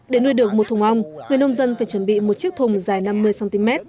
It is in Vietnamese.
để nuôi được một thùng ong người nông dân phải chuẩn bị một chiếc thùng dài năm mươi cm